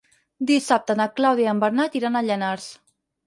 Dissabte na Clàudia i en Bernat iran a Llanars.